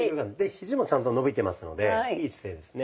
ひじもちゃんと伸びてますのでいい姿勢ですね。